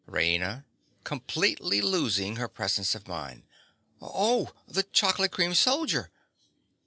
_) RAINA. (completely losing her presence of mind). Oh, the chocolate cream soldier!